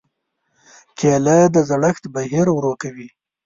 کېله د زړښت بهیر ورو کوي.